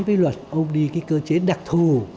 nói với luật ông đi cái cơ chế đặc thù